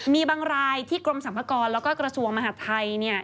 มีบางรายที่กรมสรรพากรแล้วก็กระทรวงมหาดไทย